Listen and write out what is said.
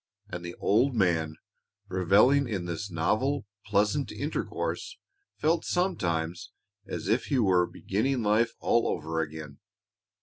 And the old man, reveling in this novel, pleasant intercourse, felt sometimes as if he were beginning life all over again.